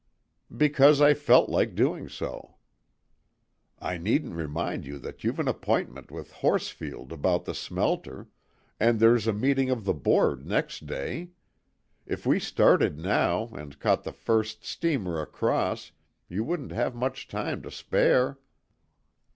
"Because I felt like doing so." "I needn't remind you that you've an appointment with Horsfield about the smelter, and there's a meeting of the board next day. If we started now and caught the first steamer across, you wouldn't have much time to spare."